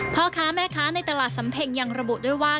พ่อค้าแม่ค้าในตลาดสำเพ็งยังระบุด้วยว่า